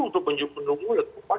untuk menunggu letupan